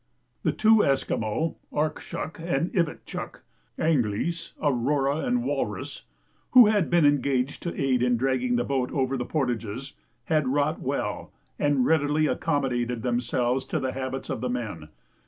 The two Esquimaux, Arkshuk and Ivitchuk, ("Anglice" Aurora and Walrus,) who had been engaged to aid in dragging the boat over the portages, had wrought well, and readily accommodated themselves to the habits of the men.